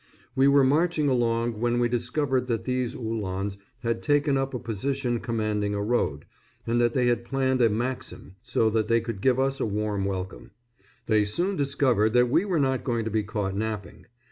We were marching along when we discovered that these Uhlans had taken up a position commanding a road, and they had planted a Maxim, so that they could give us a warm welcome. They soon discovered that we were not going to be caught napping.